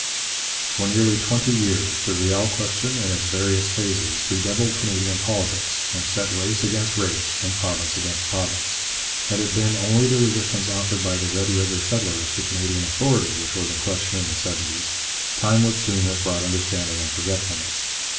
For nearly twenty years the Riel question in its various phases bedevilled Canadian politics and set race against race and province against province. Had it been only the resistance offered by the Red River settlers to Canadian authority which was in question in the seventies, time would soon have brought understanding and forgetfulness.